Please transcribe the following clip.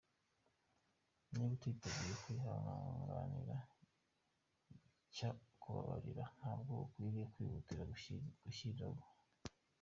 Niba utiteguye kwihanganira cya kubabarira, ntabwo ukwiriye kwihutira gushyiranwa.